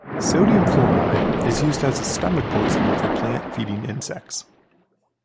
Sodium fluoride is used as a stomach poison for plant-feeding insects.